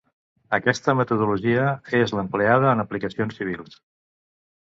Aquesta metodologia és l'empleada en aplicacions civils.